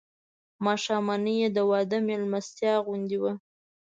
ماښامنۍ یې د واده مېلمستیا غوندې وه.